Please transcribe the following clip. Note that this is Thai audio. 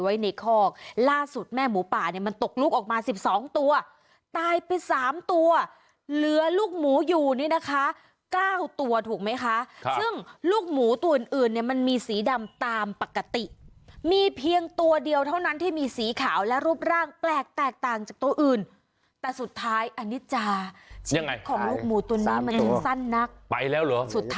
ไว้ในคอกล่าสุดแม่หมูป่าเนี่ยมันตกลูกออกมาสิบสองตัวตายไปสามตัวเหลือลูกหมูอยู่นี่นะคะเก้าตัวถูกไหมคะซึ่งลูกหมูตัวอื่นอื่นเนี่ยมันมีสีดำตามปกติมีเพียงตัวเดียวเท่านั้นที่มีสีขาวและรูปร่างแปลกแตกต่างจากตัวอื่นแต่สุดท้ายอันนี้จะยังไงของลูกหมูตัวนี้มันถึงสั้นนักไปแล้วเหรอสุดท้าย